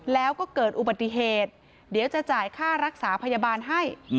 แล้วก็เกิดอุบัติเหตุเดี๋ยวจะจ่ายค่ารักษาพยาบาลให้